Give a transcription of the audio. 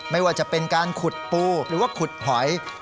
ไม่ว่าจะเป็นการขุดปูหรือว่าขุดหอย